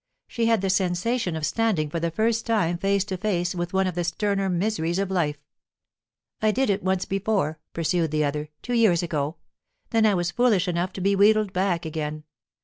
She had the sensation of standing for the first time face to face with one of the sterner miseries of life. "I did it once before," pursued the other, "two years ago. Then I was foolish enough to be wheedled back again.